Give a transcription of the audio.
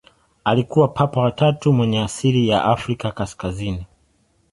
Alikuwa Papa wa tatu mwenye asili ya Afrika kaskazini.